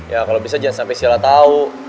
ya kalo bisa jangan sampe sila tau